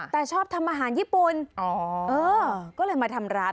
แต่ชอบทำอาหารญี่ปุ่นก็เลยมาทำร้าน